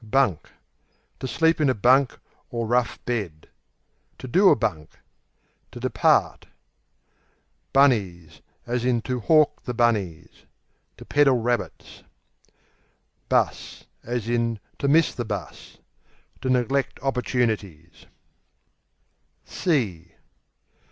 Bunk To sleep in a "bunk" or rough bed. To do a bunk To depart. Bunnies, to hawk the To peddle rabbits. Bus, to miss the To neglect opportunities.